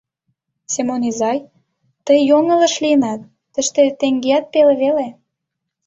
Семон изай, тый йоҥылыш лийынат: тыште теҥгеат пеле веле.